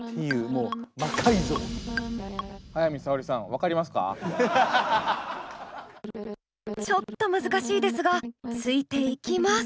もうちょっと難しいですがついていきます。